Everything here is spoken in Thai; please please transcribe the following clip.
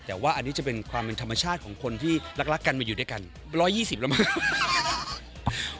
แต่ว่าอันนี้จะเป็นความเป็นธรรมชาติของคนที่รักกันมาอยู่ด้วยกัน๑๒๐แล้วมั้ง